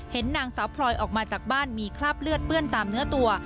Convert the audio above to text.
นางสาวพลอยออกมาจากบ้านมีคราบเลือดเปื้อนตามเนื้อตัว